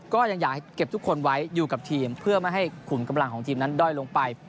ก็ยังอยากให้เก็บทุกคนไว้อยู่กับทีมเพื่อไม่ให้ขุมกำลังของทีมนั้นด้อยลงไป